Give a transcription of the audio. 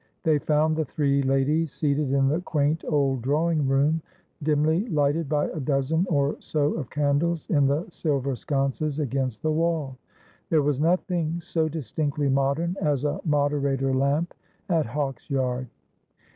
They found the three ladies seated in the quaint old drawing room, dimly lighted by a dozen or BO of candles in the silver sconces against the wall. There was nothing so distinctly modern as a moderator lamp at Hawksyard.